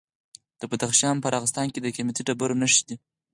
د بدخشان په راغستان کې د قیمتي ډبرو نښې دي.